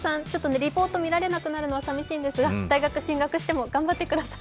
リポート見られなくなるのは残念なんですが、大学進学しても頑張ってください。